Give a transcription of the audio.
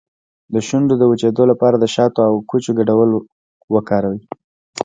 د شونډو د وچیدو لپاره د شاتو او کوچو ګډول وکاروئ